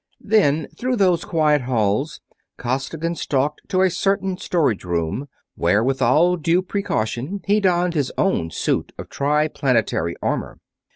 Then through those quiet halls Costigan stalked to a certain storage room, where with all due precaution he donned his own suit of Triplanetary armor.